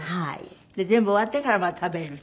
全部終わってからまあ食べると。